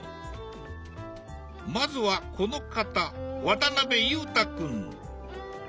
まずはこの方渡辺裕太君。